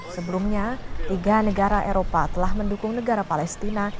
sebelumnya tiga negara eropa telah mendukung negara palestina